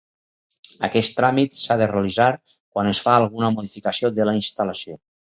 Aquest tràmit s'ha de realitzar quan es fa alguna modificació de la instal·lació.